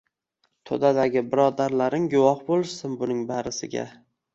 To‘dadagi birodarlaring guvoh bo‘lishsin buning barisiga…